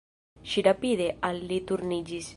Ŝi rapide al li turniĝis.